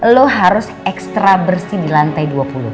lo harus ekstra bersih di lantai dua puluh